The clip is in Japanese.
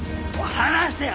離せよ！